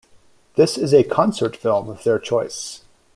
This is a concert film of their choice.